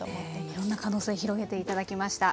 いろんな可能性広げて頂きました。